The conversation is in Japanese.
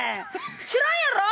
知らんやろ？